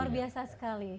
luar biasa sekali